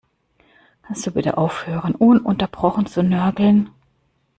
Kannst du bitte aufhören, ununterbrochen zu nörgeln?